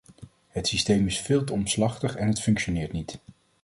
Het systeem is veel te omslachtig en het functioneert niet.